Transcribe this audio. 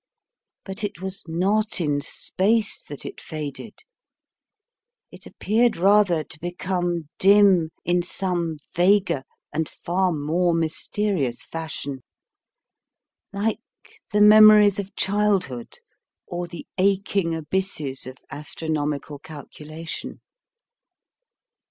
But it was not in space that it faded; it appeared rather to become dim in some vaguer and far more mysterious fashion, like the memories of childhood or the aching abysses of astronomical calculation.